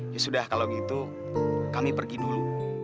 ya sudah kalau gitu kami pergi dulu